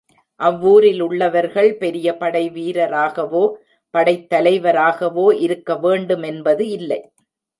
அவ்வூரிலுள்ளவர்கள் பெரிய படை வீரராகவோ, படைத் தலைவராகவோ இருக்க வேண்டுமென்பது இல்லை.